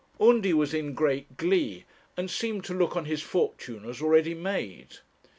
Undy was in great glee, and seemed to look on his fortune as already made.